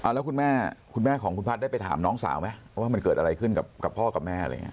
แล้วคุณแม่ของคุณพัดได้ไปถามน้องสาวไหมว่ามันเกิดอะไรขึ้นกับพ่อกับแม่